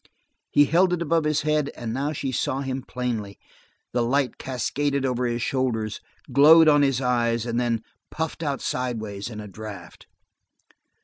He held it above his head, and now she saw him plainly: the light cascaded over his shoulders, glowed on his eyes, and then puffed out sidewise in a draught.